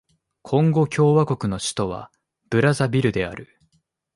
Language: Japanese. コンゴ共和国の首都はブラザヴィルである